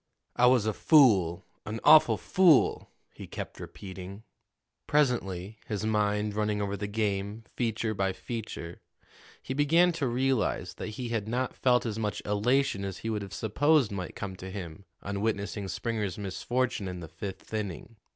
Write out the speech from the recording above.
"I was a fool an awful fool!" he kept repeating. Presently, his mind running over the game, feature by feature, he began to realize that he had not felt as much elation as he would have supposed might come to him on witnessing Springer's misfortune in the fifth inning.